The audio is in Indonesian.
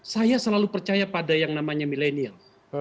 saya selalu percaya pada yang namanya milenial